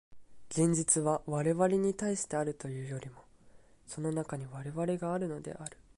現実は我々に対してあるというよりも、その中に我々があるのである。